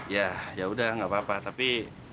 ya yaudah nggak apa apa tapi